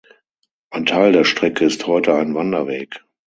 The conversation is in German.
Ein Teil der Strecke ist heute ein Wanderweg.